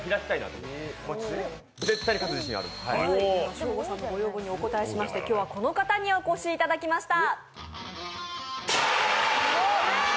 ショーゴさんのご要望にお応えしまして今日はこの方にお越しいただきました。